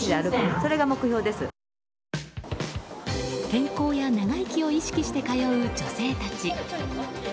健康や長生きを意識して通う女性たち。